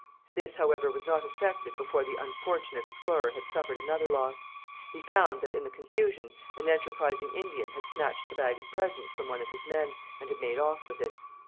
This, however, was not effected before the unfortunate explorer had suffered another loss. He found that, in the confusion, an enterprising Indian had snatched the bag of presents from one of his men, and had made off with it.